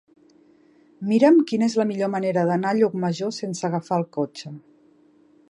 Mira'm quina és la millor manera d'anar a Llucmajor sense agafar el cotxe.